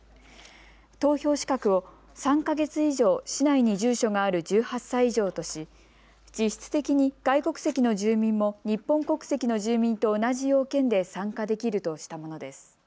投票資格を３か月以上、市内に住所がある１８歳以上とし実質的に外国籍の住民も日本国籍の住民と同じ要件で参加できるとしたものです。